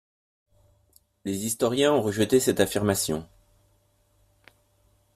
Les historiens ont rejeté cette affirmation.